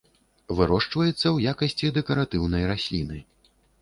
Вырошчваецца ў якасці дэкаратыўнай расліны.